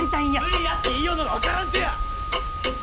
無理やって言いようのが分からんとや！